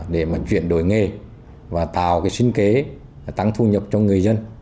để chuyển đổi nghề và tạo sinh kế tăng thu nhập cho người dân